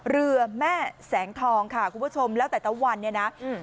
เรือแม่แสงทองค่ะคุณผู้ชมแล้วแต่ละวันเนี่ยนะอืม